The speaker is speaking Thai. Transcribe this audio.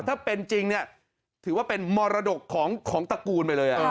ถ้าเป็นจริงเนี่ยถือว่าเป็นมรดกของตระกูลไปเลย